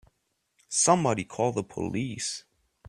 Somebody call the police!